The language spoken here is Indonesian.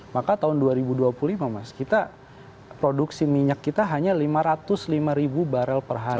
maka tahun dua ribu dua puluh lima mas kita produksi minyak kita hanya lima ratus lima ribu barel per hari